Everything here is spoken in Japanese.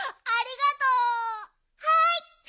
はい！